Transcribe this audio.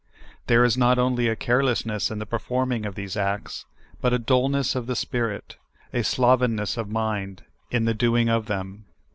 There is not only a carelessness in the perform ing of these acts, but a dullness of spirit, a slovenness of mind, in the doing of them.